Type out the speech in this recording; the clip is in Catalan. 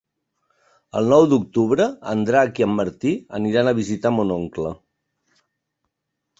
El nou d'octubre en Drac i en Martí aniran a visitar mon oncle.